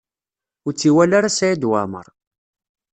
Ur tt-iwala ara Saɛid Waɛmaṛ.